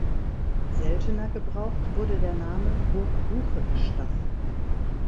Seltener gebraucht wurde der Name "Burg Buchenstein".